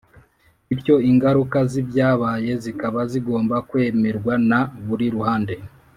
bityo ingaruka z'ibyabaye zikaba zigomba kwemerwa na buri ruhande.